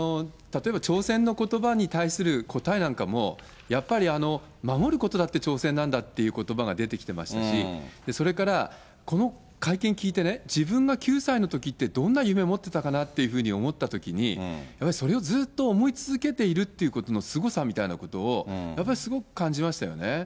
例えば挑戦のことばに対する答えなんかも、やっぱり守ることだって挑戦なんだってことばが出てきてましたし、それから、この会見聞いてね、自分が９歳のときって、どんな夢持ってたかなっていうふうに思ったときに、やはりそれをずっと思い続けているということのすごさみたいなことを、やっぱりすごく感じましたよね。